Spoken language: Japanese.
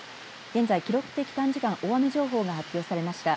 現在、記録的短時間大雨情報が発表されました。